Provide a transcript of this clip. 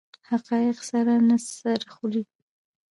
حقایق سر نه سره خوري.